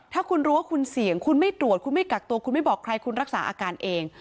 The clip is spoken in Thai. ถ้าคุณรู้ว่าคุณเสี่ยงคุณไม่ตรวจคุณไม่กักตัวคุณไม่บอกใครคุณรักษาอาการเอง